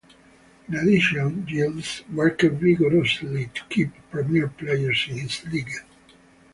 In addition, Giles worked vigorously to keep premier players in his league.